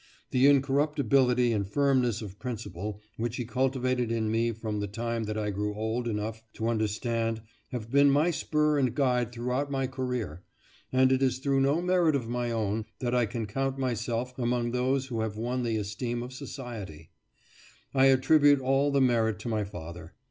The incorruptibility and firmness of principle which he cultivated in me from the time that I grew old enough to understand have been my spur and guide throughout my career, and it is through no merit of my own that I can count myself among those who have won the esteem of society; I attribute all the merit to my father.